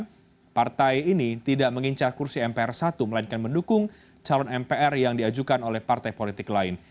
karena partai ini tidak mengincar kursi mpr satu melainkan mendukung calon mpr yang diajukan oleh partai politik lain